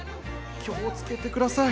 気をつけてください。